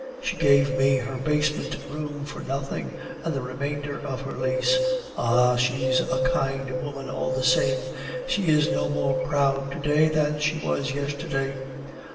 She gave me her basement room for nothing, and the remainder of her lease. Ah, she's a kind woman all the same; she is no more proud to day than she was yesterday."